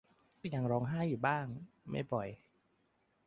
ก็ยังร้องไห้อยู่บ้าง ไม่บ่อย